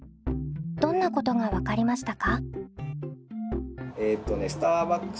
どんなことが分かりましたか？